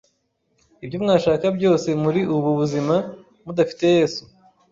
ibyo mwashaka byose muri ubu buzima mudafite Yesu